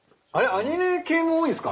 アニメ系も多いんすか？